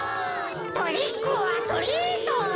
トリックオアトリート！